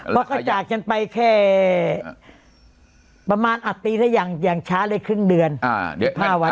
เพราะก็จากฉันไปแค่ประมาณอัตรีถ้าอย่างอย่างช้าเลยครึ่งเดือนอ่า